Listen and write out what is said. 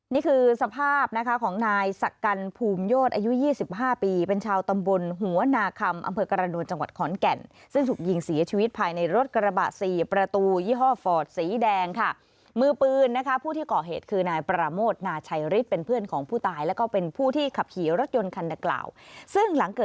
นี่คือสภาพนะคะของนายสักกันภูมิโยศอายุ๒๕ปีเป็นชาวตำบลหัวนาคำอำเภอกรณวลจังหวัดขอนแก่นซึ่งถูกยิงเสียชีวิตภายในรถกระบะ๔ประตูยี่ห้อฟอร์ดสีแดงค่ะมือปืนนะคะผู้ที่ก่อเหตุคือนายปราโมทนาชัยฤทธิ์เป็นเพื่อนของผู้ตายแล้วก็เป็นผู้ที่ขับขี่รถยนต์คันดังกล่าวซึ่งหลังก